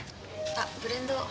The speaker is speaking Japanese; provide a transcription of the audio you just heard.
あっブレンドを。